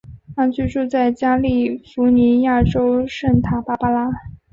他居住在加利福尼亚州圣塔芭芭拉。